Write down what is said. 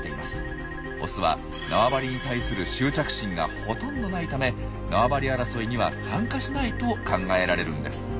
オスは縄張りに対する執着心がほとんどないため縄張り争いには参加しないと考えられるんです。